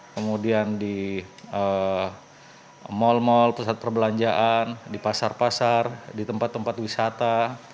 kemudian di mal mal pusat perbelanjaan di pasar pasar di tempat tempat wisata